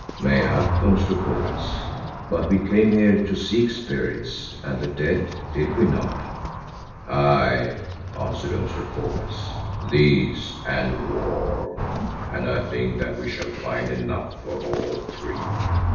"Mayhap, Umslopogaas, but we came here to seek Spirits and the dead, did we not?" "Aye," answered Umslopogaas, "these and war, and I think that we shall find enough of all three.